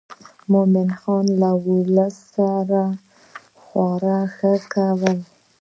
مومن خان له ولس سره خورا ښه کول.